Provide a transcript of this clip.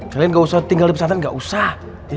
kalian gak usah tinggal di pesantren nggak usah